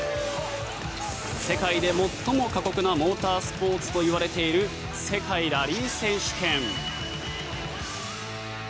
世界で最も過酷なモータースポーツといわれている世界ラリー選手権。